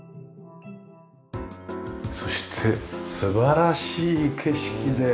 そして素晴らしい景色で。